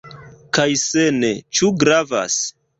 Kaj se ne, ĉu gravas?